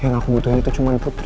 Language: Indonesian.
yang aku butuhin itu cuman putri